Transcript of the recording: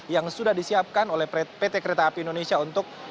yang sudah disiapkan oleh pt kereta api indonesia untuk